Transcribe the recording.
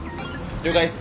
了解です！